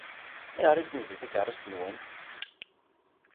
Ayɣer i tezzenzem takeṛṛust-nwen?